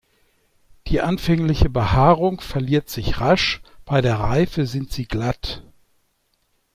Die anfängliche Behaarung verliert sich rasch, bei der Reife sind sie glatt.